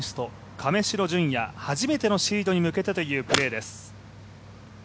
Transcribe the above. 亀代順哉、初めてのシードに向けてというプレーです。